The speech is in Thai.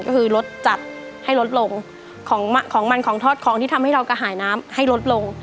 ก็คือลดจัดให้ลดลงของของมันของทอดของที่ทำให้เรากระหายน้ำให้ลดลง